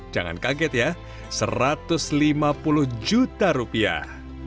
jangan kaget ya satu ratus lima puluh juta rupiah